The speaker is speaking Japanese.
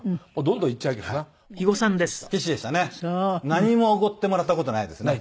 何もおごってもらった事ないですね。